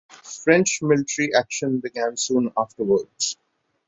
French military action began soon afterwards.